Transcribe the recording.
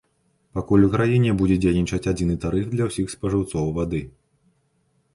Пакуль у краіне будзе дзейнічаць адзіны тарыф для ўсіх спажыўцоў вады.